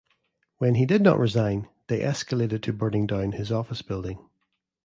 When he did not resign, they escalated to burning down his office building.